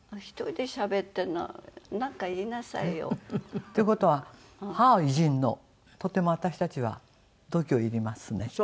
１人でしゃべってるのなんか言いなさいよ。という事は歯をいじるのとても私たちは度胸いりますね。